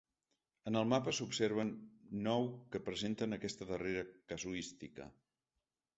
En el mapa s’observen nou que presenten aquesta darrera casuística.